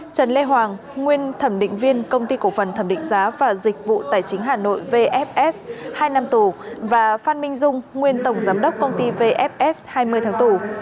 trần lê hoàng nguyên thẩm định viên công ty cổ phần thẩm định giá và dịch vụ tài chính hà nội vfs hai năm tù và phan minh dung nguyên tổng giám đốc công ty vfs hai mươi tháng tù